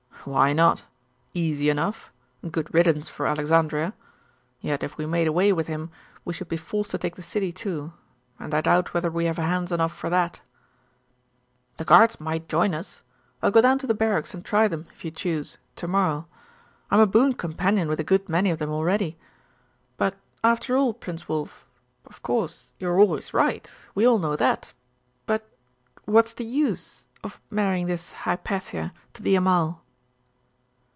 'Why not? Easy enough' and a good riddance for Alexandria. Yet if we made away with him we should be forced to take the city too; and I doubt whether we have hands enough for that.' 'The guards might join us. I will go down to the barracks and try them, if you choose' to morrow. I am a boon companion with a good many of them already. But after all, Prince Wulf of course you are always right; we all know that but what's the use of marrying this Hypatia to the Amal?